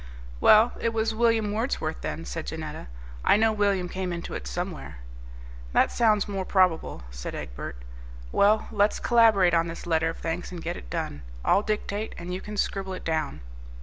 "Well, it was William Wordsworth, then," said Janetta; "I know William came into it somewhere." "That sounds more probable," said Egbert; "well, let's collaborate on this letter of thanks and get it done. I'll dictate, and you can scribble it down.